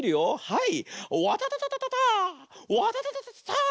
はい！